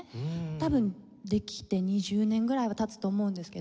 多分できて２０年ぐらいは経つと思うんですけども。